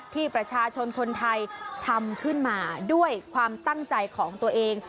ที่ประชาชนคนไทยทำขึ้นมาด้วยความตั้งใจของตัวเอง